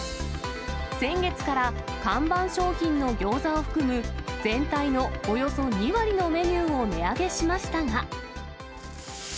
先月から看板商品の餃子を含む、全体のおよそ２割のメニューを値上げしましたが。